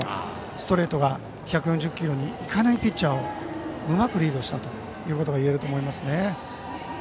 ストレートが１４０キロにいかないピッチャーをうまくリードしたということがいえると思いますね。